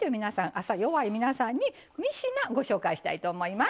朝弱い皆さんに３品ご紹介したいと思います。